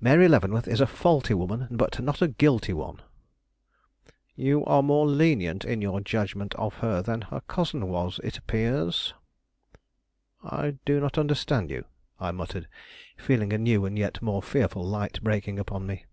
Mary Leavenworth is a faulty woman, but not a guilty one." "You are more lenient in your judgment of her than her cousin was, it appears." "I do not understand you," I muttered, feeling a new and yet more fearful light breaking upon me.